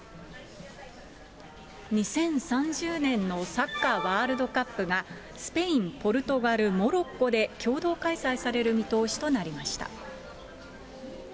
２０３０年のサッカーワールドカップが、スペイン、ポルトガル、モロッコで共同開催される見通しとなりました。